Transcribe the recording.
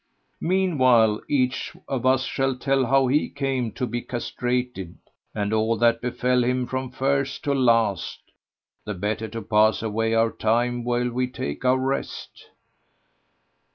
Meanwhile each of us shall tell how he came to be castrated and all that befel him from first to last, the better to pass away our time while we take our rest."